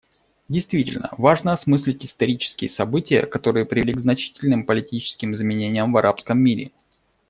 Действительно, важно осмыслить исторические события, которые привели к значительным политическим изменениям в арабском мире.